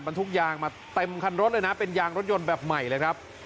บรรทุกยางมาเต็มคันรถเลยนะเป็นยางรถยนต์แบบใหม่เลยครับ